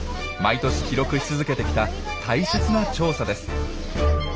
毎年記録し続けてきた大切な調査です。